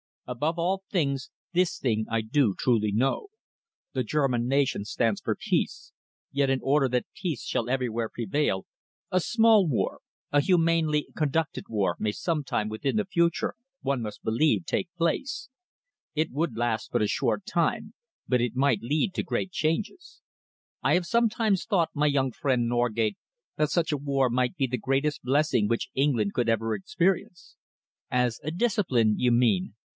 Above all things, this thing I do truly know. The German nation stands for peace. Yet in order that peace shall everywhere prevail, a small war, a humanely conducted war, may sometime within the future, one must believe, take place. It would last but a short time, but it might lead to great changes. I have sometimes thought, my young friend Norgate, that such a war might be the greatest blessing which England could ever experience." "As a discipline, you mean?"